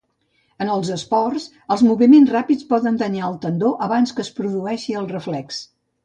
En els esports, els moviments ràpids poden danyar el tendó abans que es produeixi el reflex.